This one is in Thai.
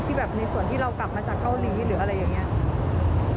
แบบในส่วนที่เรากลับมาจากเกาหลีหรืออะไรอย่างนี้